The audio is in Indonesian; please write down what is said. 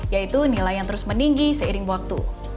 yaitu nilai yang terus meninggi seiring waktu